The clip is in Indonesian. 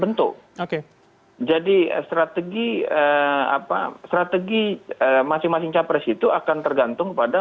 tentu jadi strategi masing masing capres itu akan tergantung pada